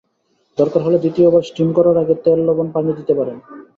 দরকার হলে দ্বিতীয় বার স্টিম করার আগে তেল, লবণ, পানি দিতে পারেন।